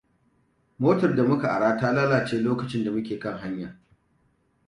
Motar da muka ara ta lalace lokacin da muke kan hanya.